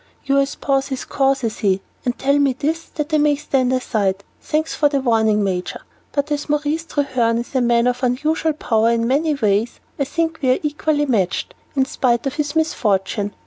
"You espouse his cause, I see, and tell me this that I may stand aside. Thanks for the warning, Major; but as Maurice Treherne is a man of unusual power in many ways, I think we are equally matched, in spite of his misfortune.